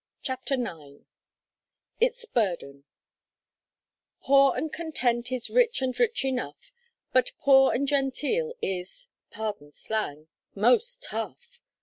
CHAPTER NINE ITS BURDEN "Poor and content is rich and rich enough, but poor and genteel is pardon slang most tough!"